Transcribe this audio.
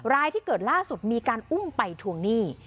รายที่เกิดล่าสุดมีการอุ้มไปทวงหนี้